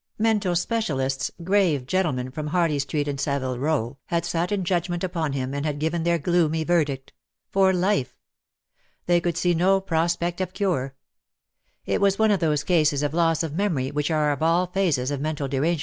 Mental specialists, grave gentlemen from Harley Street and SavUe Row, had sat in judgment upon him, and had given their gloomy verdict. For life! They could see no pro spect of cure. It was one of those cases of loss of memory which are of all phases of mental derange DEAD LOVE HAS CHAINS.